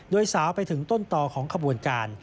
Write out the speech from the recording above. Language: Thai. โดยสาวไปถึงต้นต่อของขบวนการ